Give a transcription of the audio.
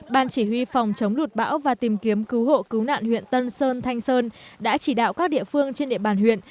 ban chỉ huy phòng chống lụt bão và tìm kiếm cứu hộ cứu nạn huyện tân sơn thanh sơn đã chỉ đạo các địa phương trên địa bàn huyện